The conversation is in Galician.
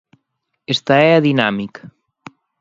Esta é a dinámica.